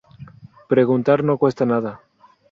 Preguntar no cuesta nada